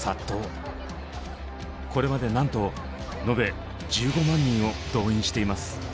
これまでなんと延べ１５万人を動員しています。